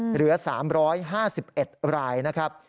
เหลือ๓๕๑รายนะครับ